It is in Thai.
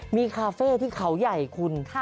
มีคาเฟ่ที่เขาใหญ่คุณ